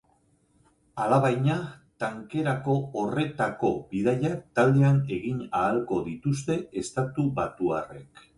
Alabaina, tankerako horretako bidaiak taldean egin ahalko dituzte estatubatuarrek.